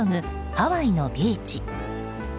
ハワイのビーチ。